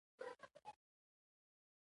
لوی تړک یې په زړه وخوړ.